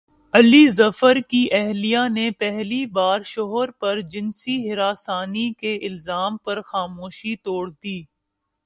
علی ظفر کی اہلیہ نے پہلی بار شوہر پرجنسی ہراسانی کے الزام پر خاموشی توڑ دی